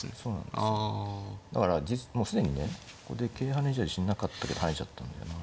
ここで桂跳ねじゃ自信なかったけど跳ねちゃったんだよな。